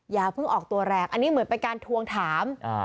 อย่าเพิ่งออกตัวแรงอันนี้เหมือนเป็นการทวงถาม